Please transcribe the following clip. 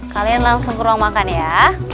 kalian langsung ke ruang makan ya